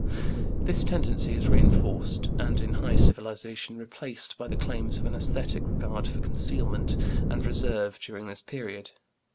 This tendency is reinforced, and in high civilization replaced, by the claims of an æsthetic regard for concealment and reserve during this period.